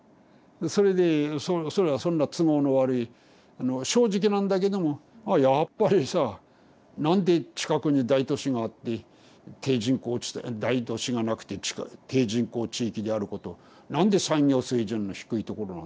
それでそれはそんな都合の悪い正直なんだけどもあやっぱりさなんで近くに大都市があって低人口地帯大都市がなくて低人口地域であることなんで産業水準の低いところなんだ。